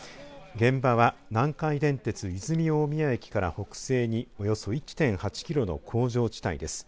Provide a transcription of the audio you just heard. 現場は南海電鉄和泉大宮駅から北西におよそ１．８キロの工場地帯です。